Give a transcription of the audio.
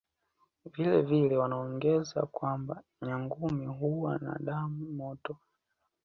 Vile vile wanaongeza kwamba Nyangumi huwa na damu motoY